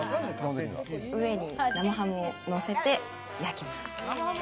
上に生ハムをのせて焼きます。